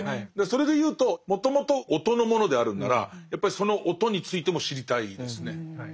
それでいうともともと音のものであるんならやっぱりその音についても知りたいですね。